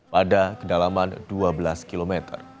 pada kedalaman dua belas km